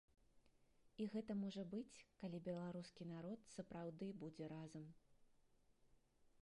І гэта можа быць, калі беларускі народ сапраўды будзе разам.